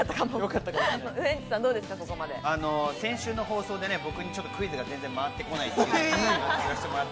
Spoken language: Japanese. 先週の放送で僕にちょっとクイズが全然回ってこないということがあって。